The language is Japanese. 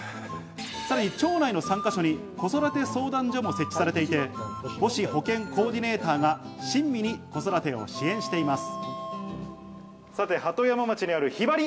さらに町内の３か所に子育て相談所も設置されていて、母子保健コーディネーターが親身に子育てを支援しています。